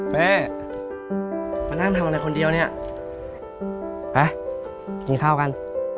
แม่มานั่งทำอะไรคนเดียวเนี่ยไปกินข้าวกัน